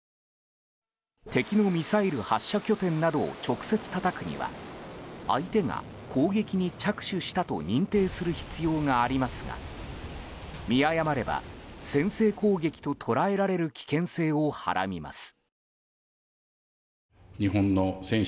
敵のミサイル発射拠点などを直接たたくには相手が攻撃に着手したと認定する必要がありますが見誤れば、先制攻撃と捉えられる危険性をはらみます。